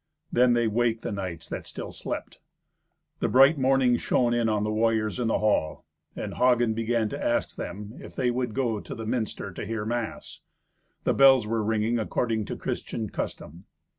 Then they waked the knights that still slept. The bright morning shone in on the warriors in the hall, and Hagen began to ask them if they would go to the minster to hear mass. The bells were ringing according to Christian custom.